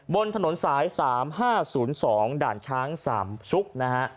บนถนนสาย๓๕๐๒ด่านช้างสามชุกนะฮะ